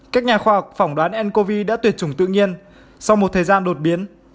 các nhà khoa học phỏng đoán ncov đã tuyệt chủng tự nhiên sau một thời gian đột biến